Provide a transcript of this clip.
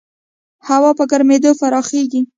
هوا په ګرمېدو پراخېږي.